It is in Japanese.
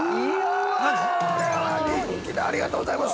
◆ありがとうございます。